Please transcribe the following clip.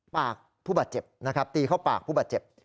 ปากผู้บาดเจ็บนะครับตีเข้าปากผู้บาดเจ็บ